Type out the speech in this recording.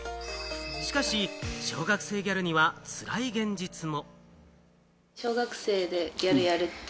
しかし小学生ギャルにはつらい現実も。